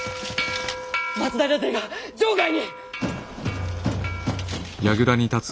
松平勢が城外に！